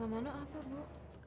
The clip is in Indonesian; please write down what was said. selamanya apa bu